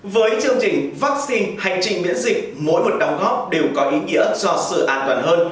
với chương trình vaccine hành trình miễn dịch mỗi một đóng góp đều có ý nghĩa do sự an toàn hơn